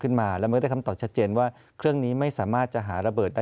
ละเมิดได้คำตอบชัดเจนว่าเครื่องนี้ไม่สามารถจะหาระเบิดได้